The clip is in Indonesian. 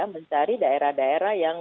mencari daerah daerah yang